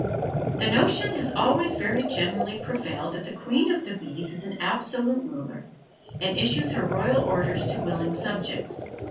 The notion has always very generally prevailed that the queen of the bees is an absolute ruler, and issues her royal orders to willing subjects.